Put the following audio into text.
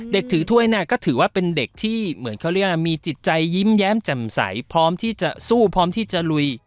ถือถ้วยเนี่ยก็ถือว่าเป็นเด็กที่เหมือนเขาเรียกว่ามีจิตใจยิ้มแย้มแจ่มใสพร้อมที่จะสู้พร้อมที่จะลุย